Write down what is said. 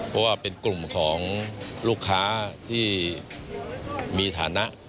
เพราะว่าเป็นกลุ่มของลูกค้าที่มีฐานะ